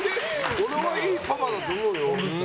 俺は、いいパパだと思うよ。